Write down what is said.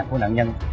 của nạn nhân